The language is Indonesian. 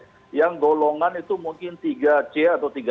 kalau kita bandingkan dengan pns itu mbak itu mungkin gaji pokok pns yang lebih tinggi